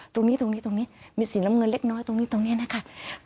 ตรงนี้ตรงนี้ตรงนี้มีสีน้ำเงินเล็กน้อยตรงนี้ตรงนี้นะคะ